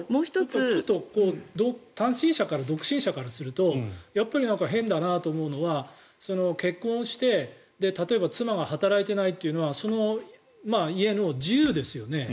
単身者、独身者からするとやっぱり変だなと思うのは結婚して例えば妻が働いていないというのはその家の自由ですよね。